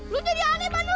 lo jadi aneh pak nur